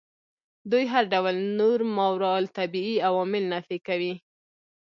دوی هر ډول نور ماورا الطبیعي عوامل نفي کوي.